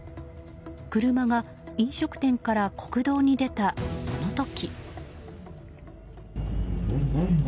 車が飲食店から国道に出たその時。